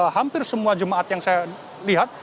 hampir semua jemaat yang saya lihat